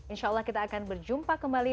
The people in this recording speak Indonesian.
insya allah kita akan berjumpa kembali